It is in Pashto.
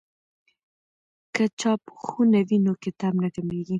که چاپخونه وي نو کتاب نه کمېږي.